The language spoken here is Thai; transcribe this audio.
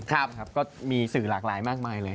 ครับก็มีสื่อหลากหลายมากมายเลย